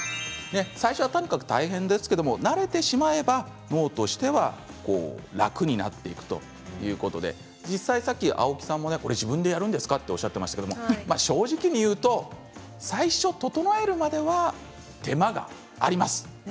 最初はとにかく大変ですけど慣れてしまえば脳としては楽になっていくということで実際さっき青木さんもさっき、これ自分でやるんですかとおっしゃっていましたが正直に言うと最初、整えるまでは手間がかかります。